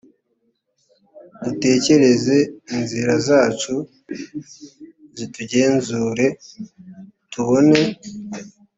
dutekereze inzira zacu tuzigenzure tubone